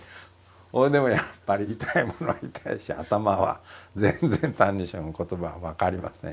それでもやっぱり痛いものは痛いし頭は全然「歎異抄」の言葉は分かりませんし。